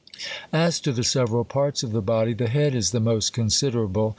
As to the several parts of the body , the head is the most considerable.